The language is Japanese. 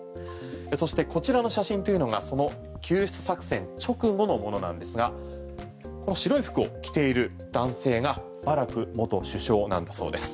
そしてこちらの写真というのがその救出作戦直後のものですが白い服を着ている男性がバラク元首相なんだそうです。